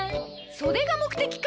それが目的か！